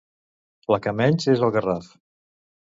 La que menys, és el Garraf.